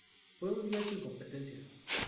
Fue un día sin competencia.